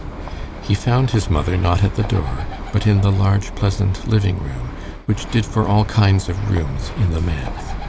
He found his mother, not at the door, but in the large, pleasant living room, which did for all kinds of rooms in the manse.